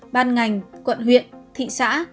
ban ngành quận huyện thị xã